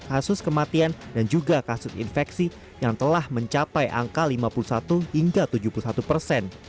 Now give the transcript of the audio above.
kasus kematian dan juga kasus infeksi yang telah mencapai angka lima puluh satu hingga tujuh puluh satu persen